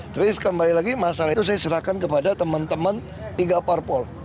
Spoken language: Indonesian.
tapi kembali lagi masalah itu saya serahkan kepada teman teman tiga parpol